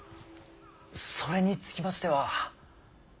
それにつきましては。